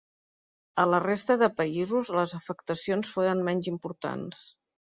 A la resta de països, les afectacions foren menys importants.